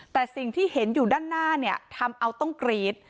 แต่สิ่งที่เห็นอยู่ด้านหน้าเนี่ยทำเอาต้องกรี๊ด